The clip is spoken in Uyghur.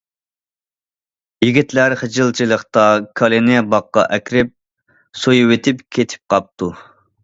يىگىتلەر خىجىلچىلىقتا كالىنى باغقا ئەكىرىپ سويۇۋېتىپ كېتىپ قاپتۇ.